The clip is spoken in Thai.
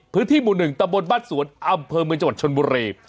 พื้นที่หมู่๑ตะบนบ้านสวนอำเภอเมืองจังหวัดชนบุรี